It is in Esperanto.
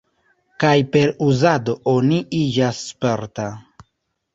Kaj per uzado, oni iĝas sperta.